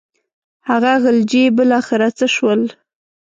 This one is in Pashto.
هغه خلجي بالاخره څه شول.